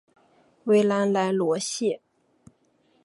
维兰莱罗谢。